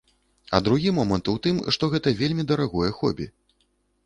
А другі момант у тым, што гэта вельмі дарагое хобі.